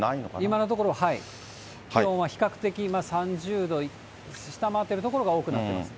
今のところ、気温は比較的、３０度下回ってる所が多くなっています。